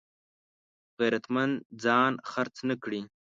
غیرتمند ځان خرڅ نه کړي